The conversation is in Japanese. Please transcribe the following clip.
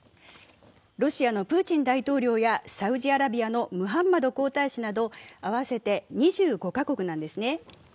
ロシアのプーチン大統領やサウジアラビアのムハンマド皇太子など合わせて２５カ国なんですね。